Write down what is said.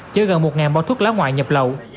chứa gần một bao thuốc lá ngoại nhập lậu